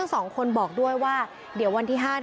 น้องพระเจริญก็ถึง